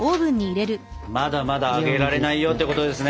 まだまだ揚げられないよってことですね。